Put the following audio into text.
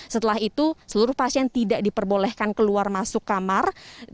setelah itu seluruh pasien tidak diperbolehkan keluar masuk kamar